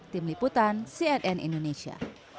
tim liputan cnn indonesia